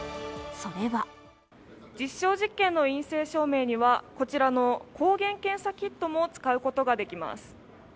それは実証実験の陰性証明にはこちらの抗原検査キットも使うことができます。